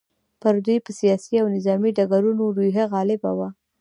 پر دوی په سیاسي او نظامي ډګرونو روحیه غالبه وه.